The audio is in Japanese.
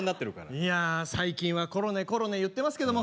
いや最近はコロネコロネ言ってますけども。